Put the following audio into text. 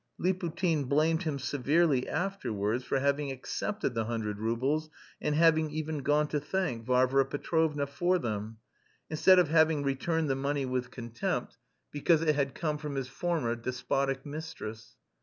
Liputin blamed him severely afterwards for having accepted the hundred roubles and having even gone to thank Varvara Petrovna for them, instead of having returned the money with contempt, because it had come from his former despotic mistress.